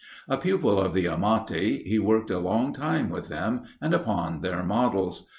A pupil of the Amati, he worked a long time with them, and upon their models.